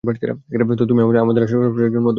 তো, তুমি আসলেই কলেজের একজন প্রফেসর শুধু?